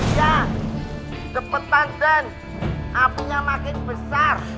iya cepetan den apunya makin besar